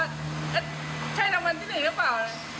เอ๊ะใช่รางวัลที่๑เหรอเปล่า